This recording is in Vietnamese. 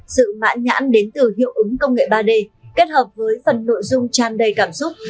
sự mãn nhãn đến từ hiệu ứng công nghệ ba d kết hợp với phần nội dung tràn đầy cảm xúc